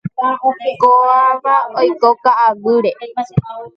Ko'ãva oiko ka'aguýre.